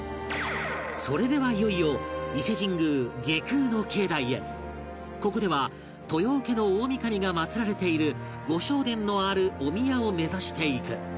それではいよいよここでは豊受大御神が祀られている御正殿のあるお宮を目指していく